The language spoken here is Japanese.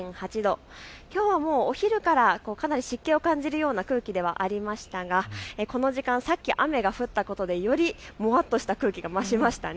きょうはもうお昼からかなり湿気を感じるような空気ではありましたが、この時間さっき雨が降ったことでよりもわっとした空気が増しました。